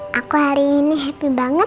aku hari ini happy banget